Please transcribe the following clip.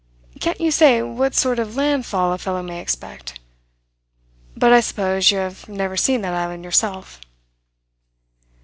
Can't you say what sort of landfall a fellow may expect? But I suppose you have never seen that island yourself?"